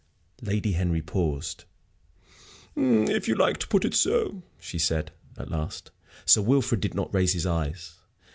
Lady Henry paused. "If you like to put it so," she said, at last. Sir Wilfrid did not raise his eyes.